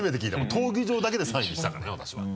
闘牛場だけで３位にしたからね私は。